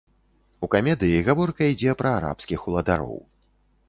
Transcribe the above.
У камедыі гаворка ідзе пра арабскіх уладароў.